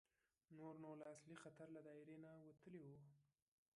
نور نو له اصلي خطر له دایرې نه وتلي وو.